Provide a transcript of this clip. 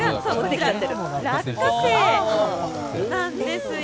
落花生なんですよ。